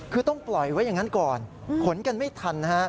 คือต้องปล่อยไว้อย่างนั้นก่อนขนกันไม่ทันนะฮะ